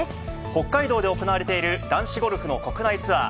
北海道で行われている男子ゴルフの国内ツアー。